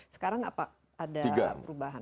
sekarang apa ada perubahan